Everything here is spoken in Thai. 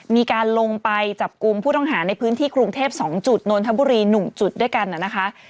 มีการลงไปจับกลุ่มผู้ต้องหาในพื้นที่กรุงเทพ๒จุดนนทบุรี๑จุดด้วยกันนะคะ